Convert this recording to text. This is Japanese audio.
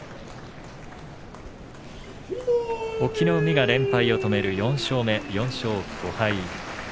隠岐の海が連敗を止める４勝目４勝５敗。